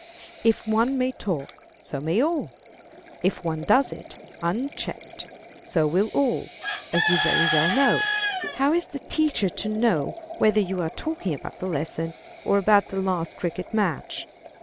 If one may talk, so may all; if one does it, unchecked, so will all, as you very well know. How is the teacher to know whether you are talking about the lesson, or about the last cricket match?